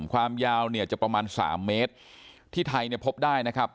ความยาวเนี่ยจะประมาณสามเมตรที่ไทยเนี่ยพบได้นะครับ